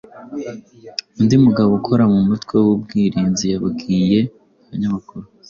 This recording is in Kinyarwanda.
Undi mugabo ukora mu mutwe w'ubwirinzi yabwiye abanyamakuru